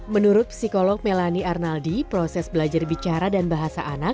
menurut psikolog melani arnaldi proses belajar bicara dan bahasa anak